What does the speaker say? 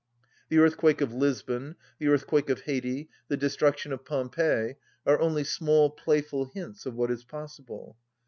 The earthquake of Lisbon, the earthquake of Haiti, the destruction of Pompeii, are only small, playful hints of what is possible.